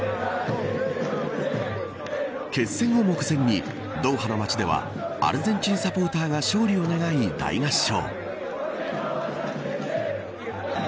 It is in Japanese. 決戦を目前にドーハの街ではアルゼンチンサポーターが勝利を願い大合唱。